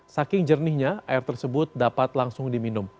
saking jernihnya air tersebut dapat langsung diminum